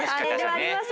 あります。